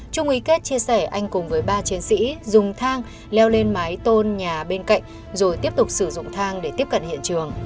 trung ý kết chia sẻ anh cùng với ba chiến sĩ dùng thang leo lên mái tôn nhà bên cạnh rồi tiếp tục sử dụng thang để tiếp cận hiện trường